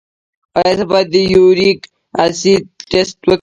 ایا زه باید د یوریک اسید ټسټ وکړم؟